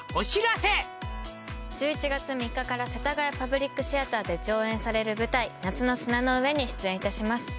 １１月３日から世田谷パブリックシアターで上演される舞台「夏の砂の上」に出演いたします